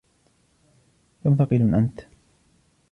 كم ثقيل أنت.